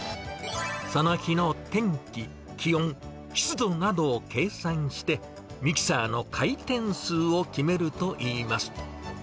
その日の天気、気温、湿度などを計算して、ミキサーの回転数を決めるといいます。